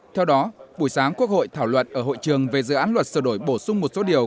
theo đó buổi sáng quốc hội thảo luận ở hội trường về dự án luật sửa đổi bổ sung một số điều